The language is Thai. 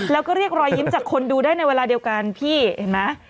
แล้วก็เรียกรอยยิ้มจากคนดูได้ในเวลาเดียวกันพี่เห็นไหม